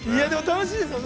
◆楽しいですよね。